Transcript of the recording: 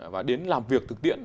và đến làm việc thực tiễn